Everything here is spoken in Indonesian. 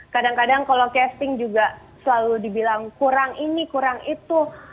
kadang kadang kalau casting juga selalu dibilang kurang ini kurang itu